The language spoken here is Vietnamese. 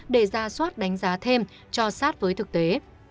để ra soát đánh giá thêm cho sát với thực tế